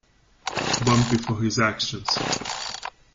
Bumpy for his actions.